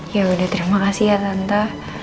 ya udah terima kasih ya tante